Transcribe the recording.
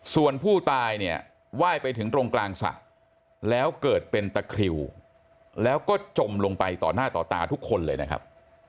ส่วนผู้ตายเนี่ยไหว้ไปถึงตรงกลางสระแล้วเกิดเป็นตะคริวแล้วก็จมลงไปต่อหน้าต่อตาทุกคนเลยนะครับ